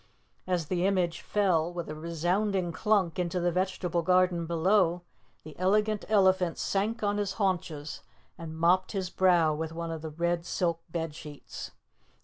As the image fell with a resounding clunk into the vegetable garden below, the Elegant Elephant sank on his haunches and mopped his brow with one of the red silk bed sheets.